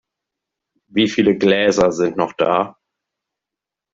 Wieviele Gläser sind noch da?